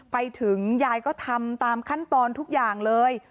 ไปถึงยายก็ทำตามขั้นตอนทุกอย่างเลย